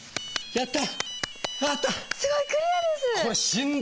やった。